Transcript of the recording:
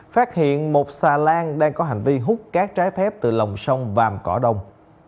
phát hiện một xà lan đang có hành vi hút cát trái phép từ lòng sông vàm cỏ đông